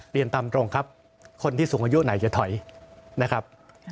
เรียนตามตรงครับคนที่สูงอายุไหนจะถอยนะครับ